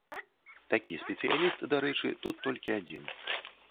Такі спецыяліст, дарэчы, тут толькі адзін.